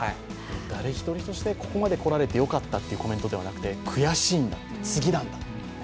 誰一人としてここまで来られてよかったというコメントではなくて悔しいんだと、次なんだと。